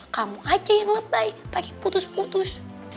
kamu aja yang lebay tapi putus putus